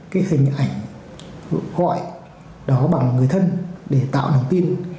cái hình ảnh gọi đó bằng người thân để tạo lòng tin